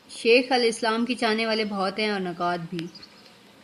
شیخ الاسلام کے چاہنے والے بہت ہیں اور نقاد بھی۔